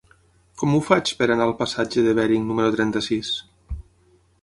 Com ho faig per anar al passatge de Bering número trenta-sis?